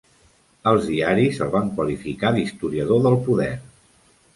Els diaris el van qualificar d'historiador del poder.